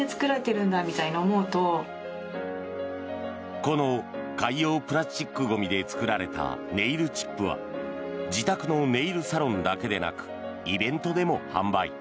この海洋プラスチックゴミで作られたネイルチップは自宅のネイルサロンだけでなくイベントでも販売。